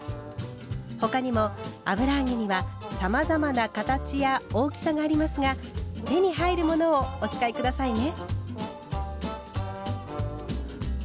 他にも油揚げにはさまざまな形や大きさがありますが手に入るものをお使い下さいね。